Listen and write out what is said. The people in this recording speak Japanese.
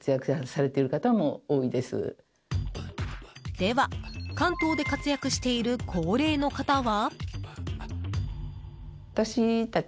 では、関東で活躍している高齢の方は？